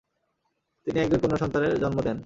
তিনি একজন কন্যাসন্তানের জন্ম দেন।